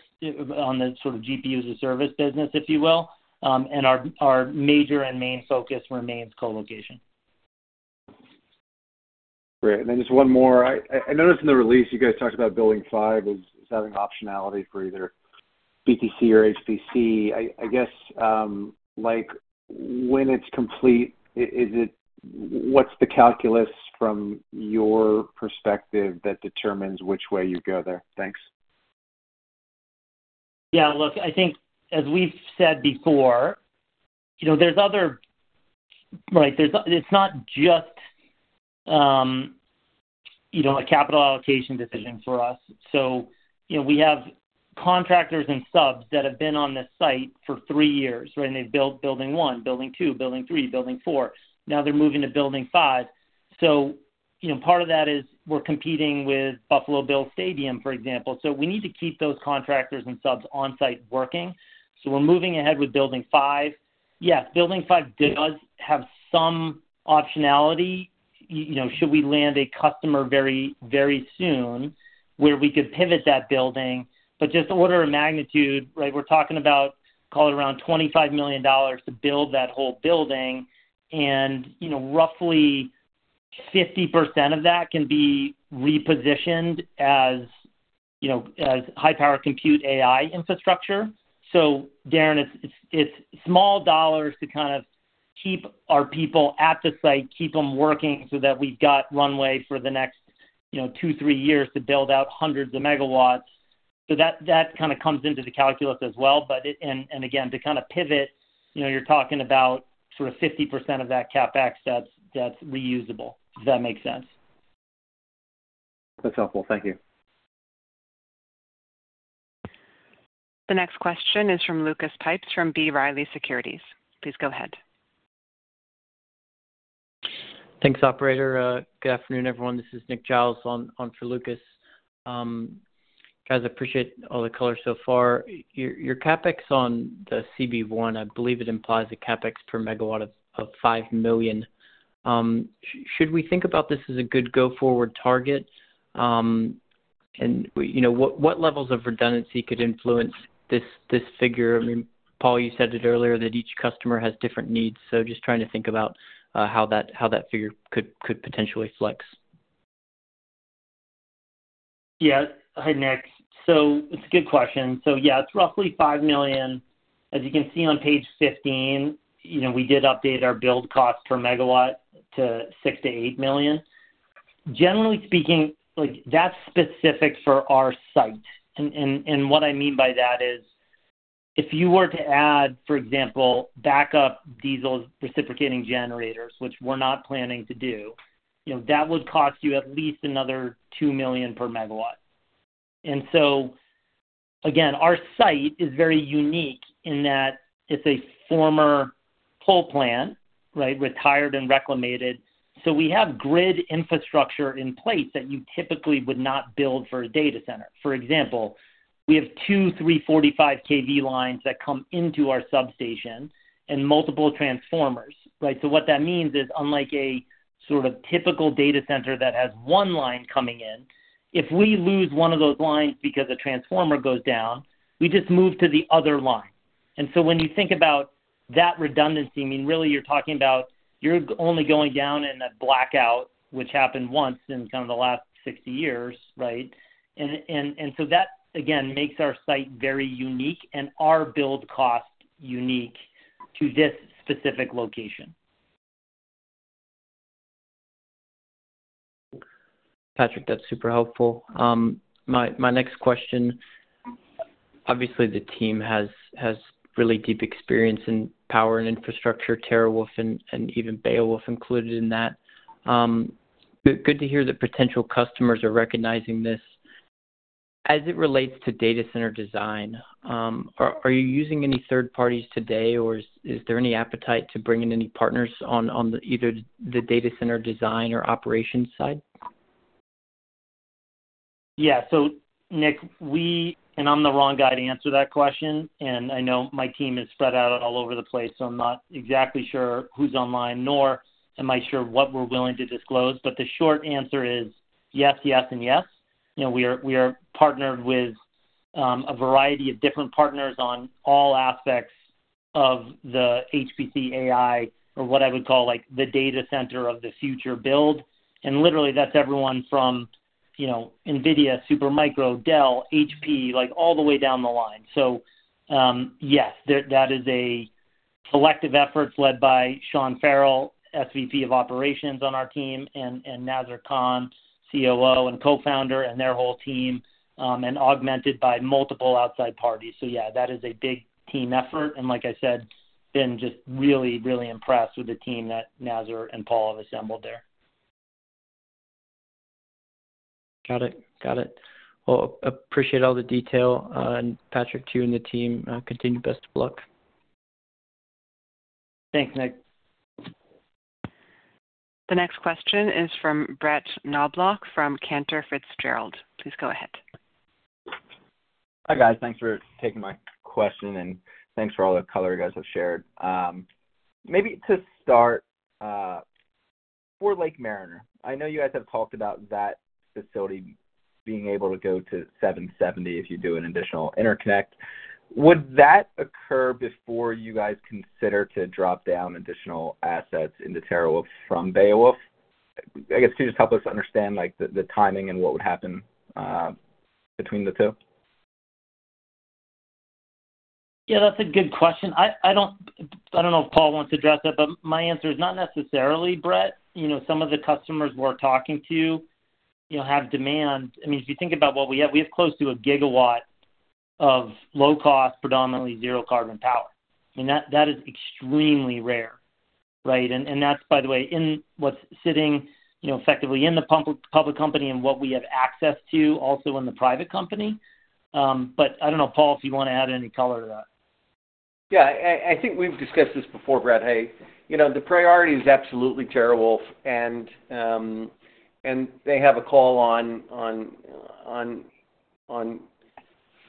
Speaker 4: on the sort of GPU-as-a-service business, if you will. And our major and main focus remains colocation.
Speaker 7: Great. And then just one more. I noticed in the release you guys talked about Building Five as having optionality for either BTC or HPC. I guess, like, when it's complete, is it-- what's the calculus from your perspective that determines which way you go there? Thanks.
Speaker 4: Yeah, look, I think as we've said before, you know, there's other—like, there's—it's not just, you know, a capital allocation decision for us. So, you know, we have contractors and subs that have been on this site for three years, right? And they've built Building One, Building Two, Building Three, Building Four. Now they're moving to Building Five. So, you know, part of that is we're competing with Buffalo Bills Stadium, for example, so we need to keep those contractors and subs on site working. So we're moving ahead with Building Five. Yes, Building Five does have some optionality, you know, should we land a customer very, very soon, where we could pivot that building. But just order of magnitude, right? We're talking about, call it, around $25 million to build that whole building, and, you know, roughly 50% of that can be repositioned as, you know, as high power compute AI infrastructure. So Darren, it's small dollars to kind of keep our people at the site, keep them working so that we've got runway for the next, you know, 2, 3 years to build out hundreds of megawatts. So that kind of comes into the calculus as well. But it—and again, to kind of pivot, you know, you're talking about sort of 50% of that CapEx that's reusable. Does that make sense?
Speaker 7: That's helpful. Thank you.
Speaker 1: The next question is from Lucas Pipes, from B. Riley Securities. Please go ahead.
Speaker 8: Thanks, operator. Good afternoon, everyone. This is Nick Giles on for Lucas. Guys, I appreciate all the color so far. Your CapEx on the CB-1, I believe it implies a CapEx per megawatt of $5 million. Should we think about this as a good go-forward target? You know, what levels of redundancy could influence this figure? I mean, Paul, you said it earlier, that each customer has different needs, so just trying to think about how that figure could potentially flex.
Speaker 4: Yeah. Hi, Nick. So it's a good question. So yeah, it's roughly $5 million. As you can see on page 15, you know, we did update our build cost per megawatt to $6 million-$8 million. Generally speaking, like, that's specific for our site. And, and, and what I mean by that is, if you were to add, for example, backup diesel reciprocating generators, which we're not planning to do, you know, that would cost you at least another $2 million per megawatt. And so, again, our site is very unique in that it's a former coal plant, right? Retired and reclaimed. So we have grid infrastructure in place that you typically would not build for a data center. For example, we have two 345 kV lines that come into our substation and multiple transformers, right? So what that means is, unlike a sort of typical data center that has one line coming in, if we lose one of those lines because a transformer goes down, we just move to the other line. And so when you think about that redundancy, I mean, really, you're talking about you're only going down in a blackout, which happened once in kind of the last 60 years, right? And, and, and so that, again, makes our site very unique and our build cost unique to this specific location.
Speaker 8: Patrick, that's super helpful. My next question, obviously, the team has really deep experience in power and infrastructure, TeraWulf and even Beowulf included in that. Good to hear that potential customers are recognizing this. As it relates to data center design, are you using any third parties today, or is there any appetite to bring in any partners on either the data center design or operations side?
Speaker 4: Yeah. So Nick, we and I'm the wrong guy to answer that question, and I know my team is spread out all over the place, so I'm not exactly sure who's online, nor am I sure what we're willing to disclose. But the short answer is yes, yes, and yes. You know, we are, we are partnered with a variety of different partners on all aspects of the HPC AI, or what I would call, like, the data center of the future build. And literally, that's everyone from, you know, NVIDIA, Supermicro, Dell, HP, like, all the way down the line. So, yes, that, that is a collective effort led by Sean Farrell, SVP of Operations on our team, and, and Nazar Khan, COO and co-founder, and their whole team, and augmented by multiple outside parties. So yeah, that is a big team effort, and like I said, been just really, really impressed with the team that Nazar and Paul have assembled there.
Speaker 8: Got it. Got it. Well, appreciate all the detail, and Patrick, to you and the team, continue. Best of luck.
Speaker 4: Thanks, Nick.
Speaker 1: The next question is from Brett Knoblauch, from Cantor Fitzgerald. Please go ahead.
Speaker 9: Hi, guys. Thanks for taking my question, and thanks for all the color you guys have shared. Maybe to start, for Lake Mariner, I know you guys have talked about that facility being able to go to 770 if you do an additional interconnect. Would that occur before you guys consider to drop down additional assets into TeraWulf from Beowulf? I guess, to just help us understand, like, the timing and what would happen between the two.
Speaker 4: Yeah, that's a good question. I, I don't—I don't know if Paul wants to address that, but my answer is not necessarily, Brett. You know, some of the customers we're talking to, you know, have demand. I mean, if you think about what we have, we have close to a gigawatt of low cost, predominantly zero carbon power, and that, that is extremely rare, right? And, and that's, by the way, in what's sitting, you know, effectively in the public company and what we have access to also in the private company. But I don't know, Paul, if you want to add any color to that.
Speaker 3: Yeah, I think we've discussed this before, Brett. Hey, you know, the priority is absolutely TeraWulf, and they have a call on,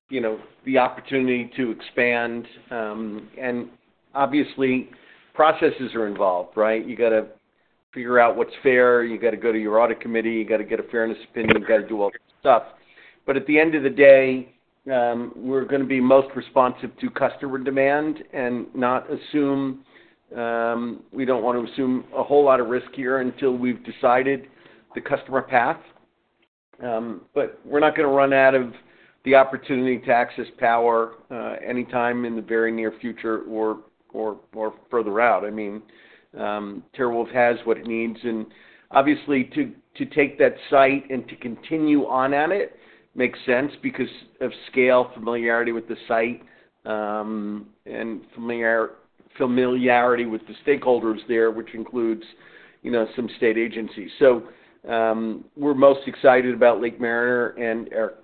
Speaker 3: you know, the opportunity to expand. And obviously, processes are involved, right? You got to figure out what's fair, you got to go to your audit committee, you got to get a fairness opinion, you got to do all this stuff. But at the end of the day, we're going to be most responsive to customer demand and not assume. We don't want to assume a whole lot of risk here until we've decided the customer path. But we're not going to run out of the opportunity to access power, anytime in the very near future or further out. I mean, TeraWulf has what it needs, and obviously, to take that site and to continue on at it makes sense because of scale, familiarity with the site, and familiarity with the stakeholders there, which includes, you know, some state agencies. So, we're most excited about Lake Mariner and our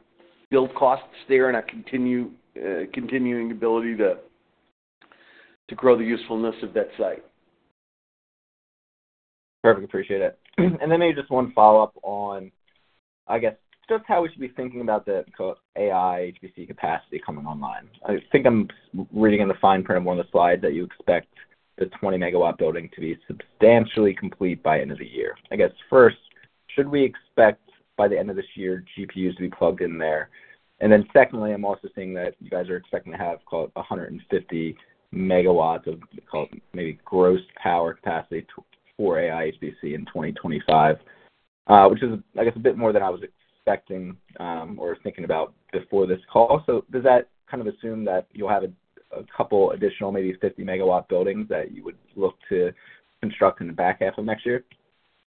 Speaker 3: build costs there and our continuing ability to grow the usefulness of that site.
Speaker 9: Perfect. Appreciate it. And then maybe just one follow-up on, I guess, just how we should be thinking about the AI HPC capacity coming online. I think I'm reading in the fine print on one of the slides that you expect the 20-MW building to be substantially complete by end of the year. I guess, first, should we expect by the end of this year, GPUs to be plugged in there? And then secondly, I'm also seeing that you guys are expecting to have called 150 MW of, call it, maybe gross power capacity to—for AI HPC in 2025, which is, I guess, a bit more than I was expecting, or thinking about before this call. Does that kind of assume that you'll have a, a couple additional, maybe 50-MW buildings that you would look to construct in the back half of next year?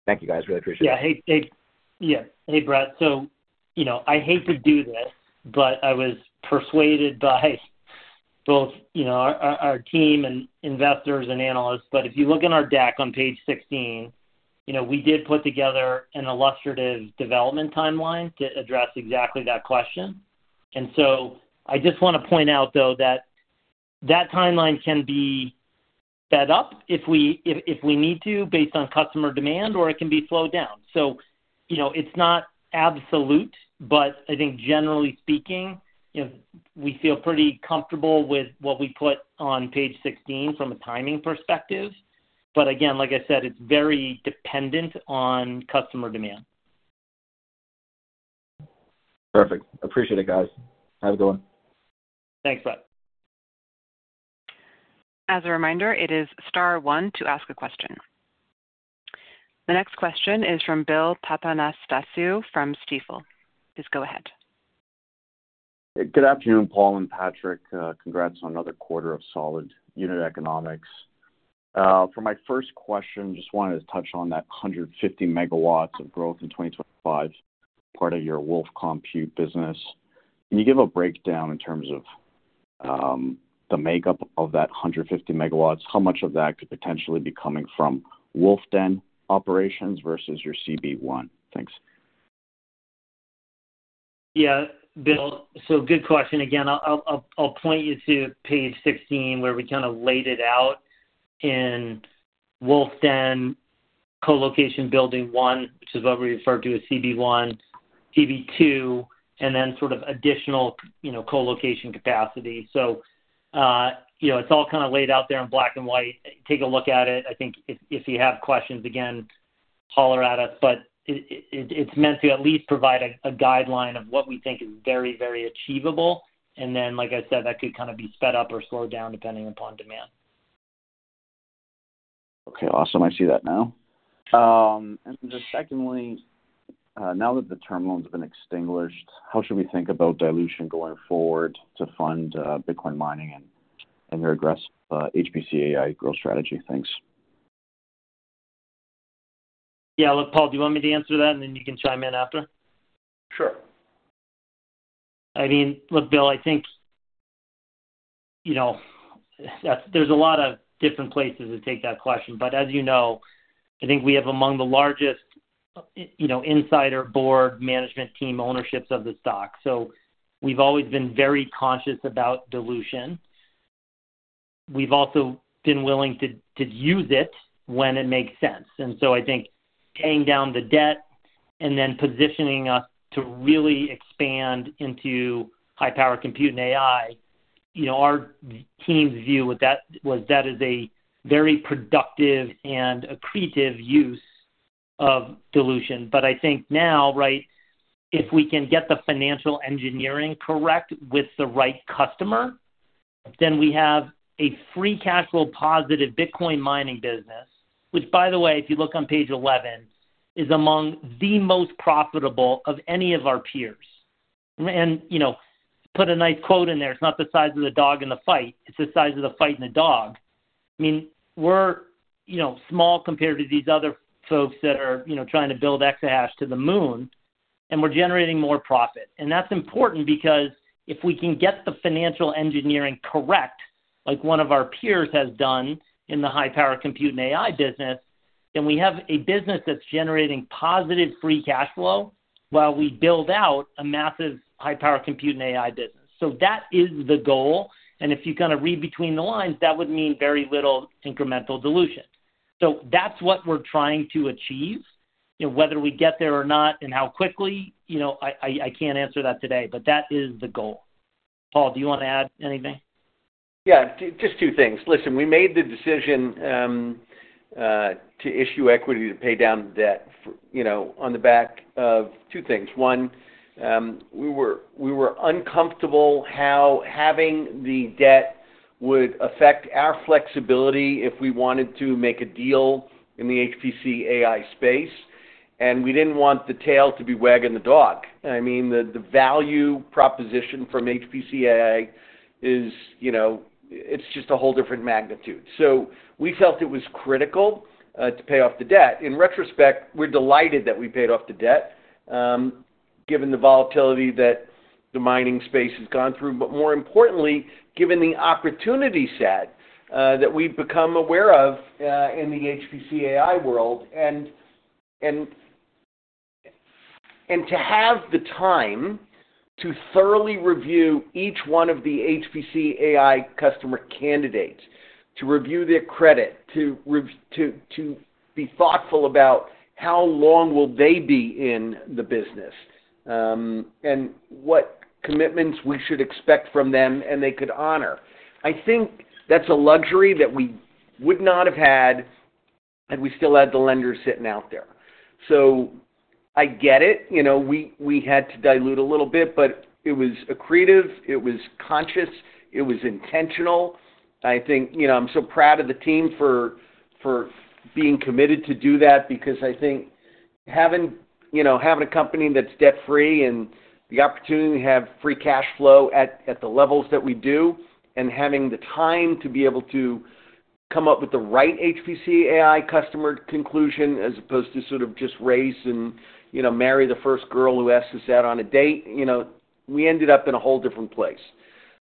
Speaker 9: Thank you, guys. Really appreciate it.
Speaker 4: Yeah. Hey, bud. It's Patrick. So, you know, I hate to do this, but I was persuaded by both, you know, our team and investors and analysts. But if you look in our deck on page 16, you know, we did put together an illustrative development timeline to address exactly that question. And so I just want to point out, though, that that timeline can be sped up if we need to, based on customer demand, or it can be slowed down. So, you know, it's not absolute, but I think generally speaking, you know, we feel pretty comfortable with what we put on page 16 from a timing perspective. But again, like I said, it's very dependent on customer demand.
Speaker 9: Perfect. Appreciate it, guys. Have a good one.
Speaker 4: Thanks, bud.
Speaker 1: As a reminder, it is star one to ask a question. The next question is from Bill Papanastasiou from Stifel. Please go ahead.
Speaker 10: Good afternoon, Paul and Patrick. Congrats on another quarter of solid unit economics. For my first question, just wanted to touch on that 150 MW of growth in 2025, part of your Wulf Compute business. Can you give a breakdown in terms of, the makeup of that 150 MW? How much of that could potentially be coming from Wulf Den operations versus your CB-1? Thanks.
Speaker 4: Yeah, Bill. So good question again. I'll point you to page 16, where we kind of laid it out in Wulf Den Colocation Building One, which is what we refer to as CB-1, CB-2, and then sort of additional, you know, colocation capacity. So, you know, it's all kind of laid out there in black and white. Take a look at it. I think if you have questions, again, holler at us, but it's meant to at least provide a guideline of what we think is very, very achievable. And then, like I said, that could kind of be sped up or slowed down, depending upon demand.
Speaker 10: Okay, awesome. I see that now. And then secondly, now that the term loan's been extinguished, how should we think about dilution going forward to fund Bitcoin mining and your aggressive HPC AI growth strategy? Thanks.
Speaker 4: Yeah. Look, Paul, do you want me to answer that, and then you can chime in after?
Speaker 3: Sure.
Speaker 4: I mean, look, Bill, I think, you know, that's, there's a lot of different places to take that question. But as you know, I think we have among the largest, you know, insider board management team ownerships of the stock, so we've always been very conscious about dilution. We've also been willing to use it when it makes sense. And so I think paying down the debt and then positioning us to really expand into high power compute and AI, you know, our team's view with that was, that is a very productive and accretive use of dilution. But I think now, right, if we can get the financial engineering correct with the right customer, then we have a free cash flow positive Bitcoin mining business, which, by the way, if you look on page 11, is among the most profitable of any of our peers. And, you know, put a nice quote in there, "It's not the size of the dog in the fight, it's the size of the fight in the dog." I mean, we're, you know, small compared to these other folks that are, you know, trying to build Exahash to the moon, and we're generating more profit. And that's important because if we can get the financial engineering correct, like one of our peers has done in the high power compute and AI business, then we have a business that's generating positive free cash flow while we build out a massive high power compute and AI business. So that is the goal, and if you kind of read between the lines, that would mean very little incremental dilution. So that's what we're trying to achieve. You know, whether we get there or not and how quickly, you know, I can't answer that today, but that is the goal. Paul, do you want to add anything?
Speaker 3: Yeah, just two things. Listen, we made the decision to issue equity to pay down the debt for, you know, on the back of two things. One, we were uncomfortable how having the debt would affect our flexibility if we wanted to make a deal in the HPC AI space, and we didn't want the tail to be wagging the dog. I mean, the value proposition from HPC AI is, you know, it's just a whole different magnitude. So we felt it was critical to pay off the debt. In retrospect, we're delighted that we paid off the debt, given the volatility that the mining space has gone through, but more importantly, given the opportunity set that we've become aware of in the HPC AI world. And to have the time to thoroughly review each one of the HPC AI customer candidates, to review their credit, to be thoughtful about how long will they be in the business, and what commitments we should expect from them, and they could honor. I think that's a luxury that we would not have had had we still had the lenders sitting out there. So I get it. You know, we had to dilute a little bit, but it was accretive, it was conscious, it was intentional. I think, you know, I'm so proud of the team for being committed to do that because I think having, you know, having a company that's debt-free and the opportunity to have free cash flow at the levels that we do, and having the time to be able to come up with the right HPC AI customer conclusion, as opposed to sort of just race and, you know, marry the first girl who asks us out on a date, you know, we ended up in a whole different place.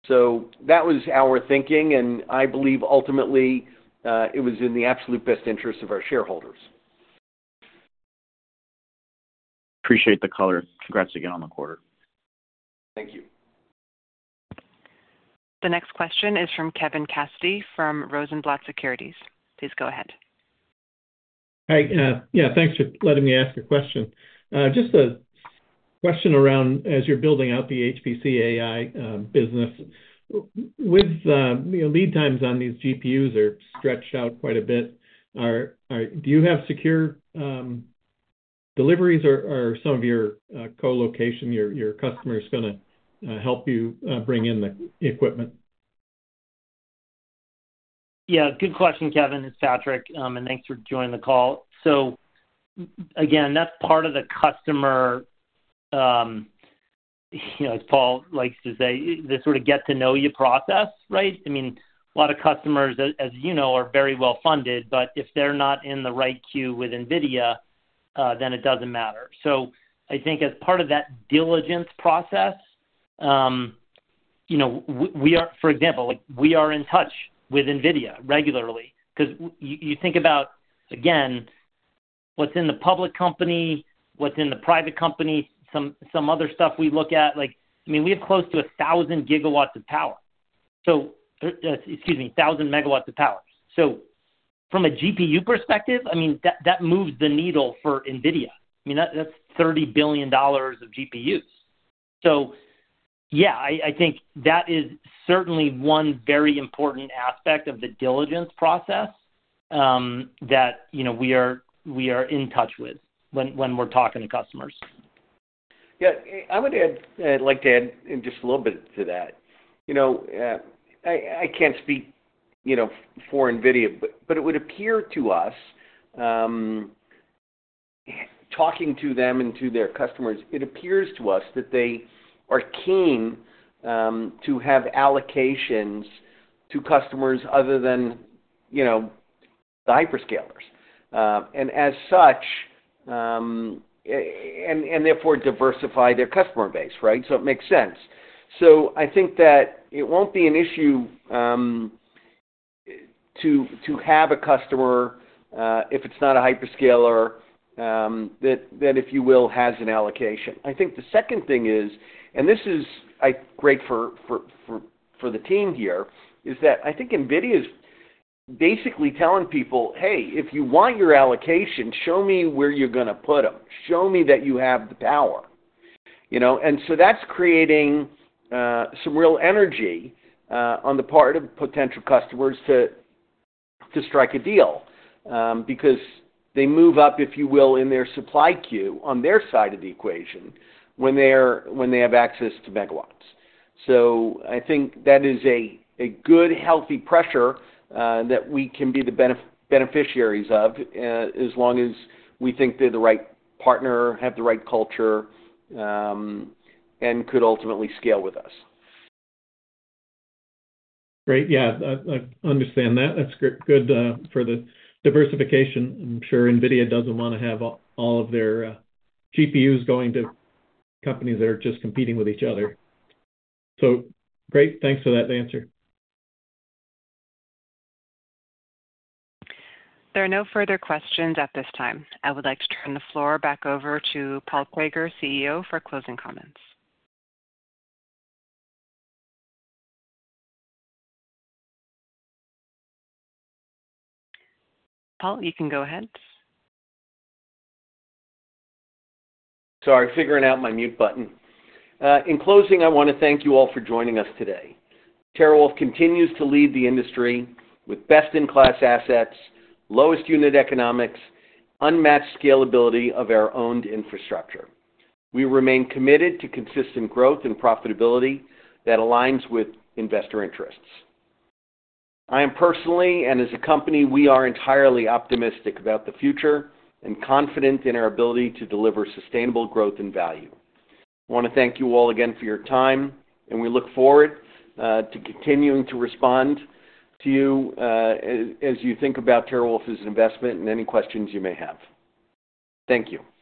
Speaker 3: So that was our thinking, and I believe ultimately it was in the absolute best interest of our shareholders.
Speaker 10: Appreciate the color. Congrats again on the quarter.
Speaker 3: Thank you.
Speaker 1: The next question is from Kevin Cassidy, from Rosenblatt Securities. Please go ahead.
Speaker 11: Hi, yeah, thanks for letting me ask a question. Just a question around as you're building out the HPC AI business, with, you know, lead times on these GPUs are stretched out quite a bit. Do you have secure deliveries or some of your colocation, your customers going to help you bring in the equipment?
Speaker 4: Yeah, good question, Kevin. It's Patrick, and thanks for joining the call. So again, that's part of the customer, you know, as Paul likes to say, the sort of get to know you process, right? I mean, a lot of customers, as you know, are very well funded, but if they're not in the right queue with NVIDIA, then it doesn't matter. So I think as part of that diligence process, you know, we are for example, like, we are in touch with NVIDIA regularly because you think about, again, what's in the public company, what's in the private company, some other stuff we look at, like, I mean, we have close to 1,000 GW of power. So, excuse me, 1,000 MW of power. So from a GPU perspective, I mean, that moves the needle for NVIDIA. I mean, that's $30 billion of GPUs. So yeah, I think that is certainly one very important aspect of the diligence process, you know, that we are in touch with when we're talking to customers.
Speaker 3: Yeah, I would add, like to add in just a little bit to that. You know, I can't speak, you know, for NVIDIA, but, but it would appear to us, talking to them and to their customers, it appears to us that they are keen, to have allocations to customers other than, you know, the hyperscalers. As such, and therefore diversify their customer base, right? So it makes sense. So I think that it won't be an issue, to have a customer, if it's not a hyperscaler, that, if you will, has an allocation. I think the second thing is, and this is great for the team here, is that I think NVIDIA's basically telling people, "Hey, if you want your allocation, show me where you're going to put them. Show me that you have the power." You know, and so that's creating some real energy on the part of potential customers to strike a deal, because they move up, if you will, in their supply queue on their side of the equation when they have access to megawatts. So I think that is a good, healthy pressure that we can be the beneficiaries of, as long as we think they're the right partner, have the right culture, and could ultimately scale with us.
Speaker 11: Great. Yeah, I understand that. That's good for the diversification. I'm sure NVIDIA doesn't want to have all of their GPUs going to companies that are just competing with each other. So great. Thanks for that answer.
Speaker 1: There are no further questions at this time. I would like to turn the floor back over to Paul Prager, CEO, for closing comments. Paul, you can go ahead.
Speaker 3: Sorry, figuring out my mute button. In closing, I want to thank you all for joining us today. TeraWulf continues to lead the industry with best-in-class assets, lowest unit economics, unmatched scalability of our owned infrastructure. We remain committed to consistent growth and profitability that aligns with investor interests. I am personally, and as a company, we are entirely optimistic about the future and confident in our ability to deliver sustainable growth and value. I want to thank you all again for your time, and we look forward to continuing to respond to you as, as you think about TeraWulf's investment and any questions you may have. Thank you.